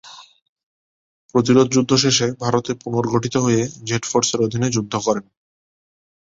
প্রতিরোধযুদ্ধ শেষে ভারতে পুনর্গঠিত হয়ে জেড ফোর্সের অধীনে যুদ্ধ করেন।